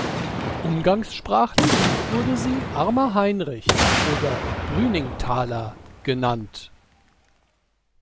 Umgangssprachlich wurde sie "Armer Heinrich" oder "Brüning-Taler" genannt.